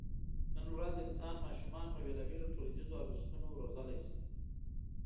نن ورځ انسانان ماشومان په بېلابېلو ټولنیزو ارزښتونو روزلی شي.